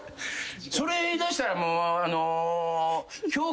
それ言いだしたら。